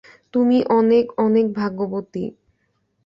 তুমি অনেক, অনেক ভাগ্যবতী।